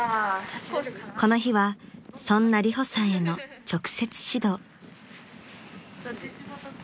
［この日はそんなリホさんへの直接指導］